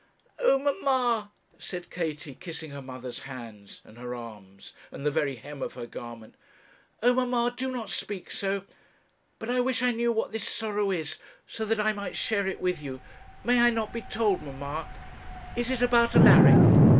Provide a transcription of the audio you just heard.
'Oh, mamma,' said Katie, kissing her mother's hands, and her arms, and the very hem of her garment, 'oh, mamma, do not speak so. But I wish I knew what this sorrow is, so that I might share it with you; may I not be told, mamma? is it about Alaric?'